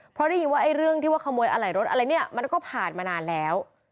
เพราะได้ยินว่าไอ้เรื่องที่ว่าขโมยอะไหล่รถอะไรเนี่ยมันก็ผ่านมานานแล้ว